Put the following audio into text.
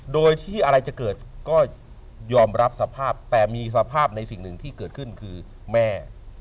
โดยที่อะไรจะเกิดก็ยอมรับสภาพแต่มีสภาพในสิ่งหนึ่งที่เกิดขึ้นคือแม่